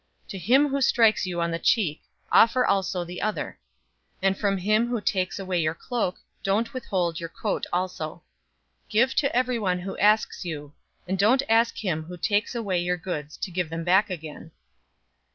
006:029 To him who strikes you on the cheek, offer also the other; and from him who takes away your cloak, don't withhold your coat also. 006:030 Give to everyone who asks you, and don't ask him who takes away your goods to give them back again.